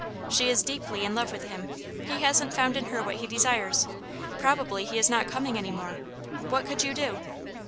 "She is deeply in love with him; he hasn't found in her what he desires; probably he is not coming any more; what could you do?"